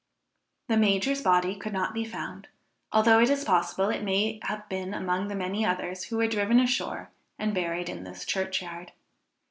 The major's body could not be found, although it is possible it may have been among the many others which were driven ashore and buried in this church yard.